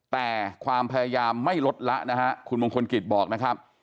แต่ความพยายามไม่ลดละนะฮะคุณมงคลกิจบอกนะครับ